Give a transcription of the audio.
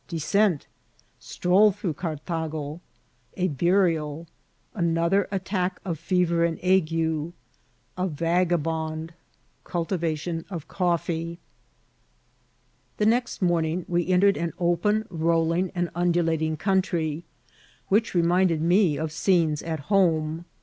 — Deacent— StroU through Caitago.— A BnriaL Another at* tack of Fever and Ague.— A Vagabond. Cultivation of CoflGse. Thb next morning we entered an open> rolling, and undulating country, which reminded me of scenes at home.